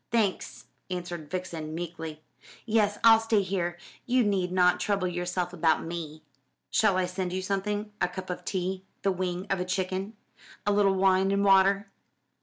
"Thanks," answered Vixen meekly. "Yes, I'll stay here you need not trouble yourself about me." "Shall I send you something? A cup of tea, the wing of a chicken, a little wine and water?"